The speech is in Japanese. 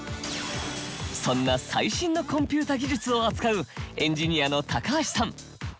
そんな最新のコンピューター技術を扱うエンジニアの高橋さん。